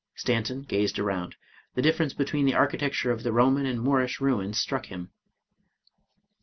Stanton gazed around. The difference between the architecture of the Roman and Moorish ruins struck him.